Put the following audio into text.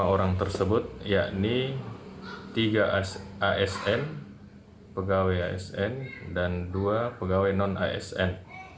lima orang tersebut yakni tiga asn pegawai asn dan dua pegawai non asn